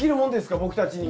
僕たちにも。